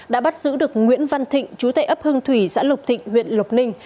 đã bắt giữ được nguyễn văn thịnh chú tệ ấp hưng thủy xã lộc thịnh huyện lộc ninh